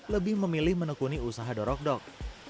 lebih memilih menekuni usaha dorok dok